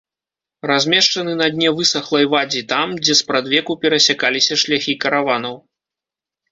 Размешчаны на дне высахлай вадзі там, дзе спрадвеку перасякаліся шляхі караванаў.